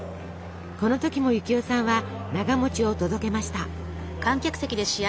この時も幸代さんはながを届けました。